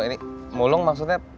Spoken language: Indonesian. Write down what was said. ini mulung maksudnya